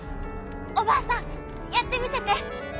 おばあさんやってみせて」。